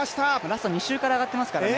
ラスト２周から上がっていますからね。